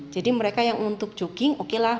jadi mereka yang untuk jogging oke lah